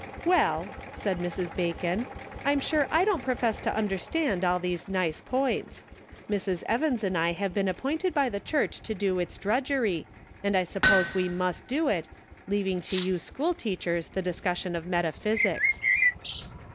" Well," said Mrs. Bacon, " I'm sure I don't profess to understand all these nice points. Mrs. Evans and I have been appointed by the church to do its drudgery, and I suppose we must do it, leaving to you school teachers the discussion of metaphysics."